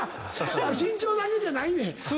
身長だけじゃないねん。